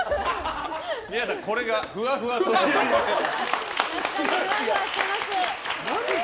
皆さんこれがふわふわ特技です。